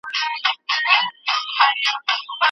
بې ډېوې سولې تور سري « امان» تللی دی الله ته